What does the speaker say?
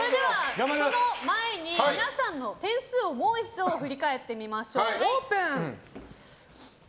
その前に、皆さんの点数をもう一度振り返ってみましょう、オープン。